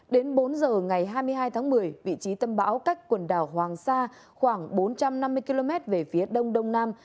đến bốn giờ ngày hai mươi hai tháng một mươi vị trí tâm bão cách quần đảo hoàng sa khoảng bốn trăm năm mươi km về phía đông đông nam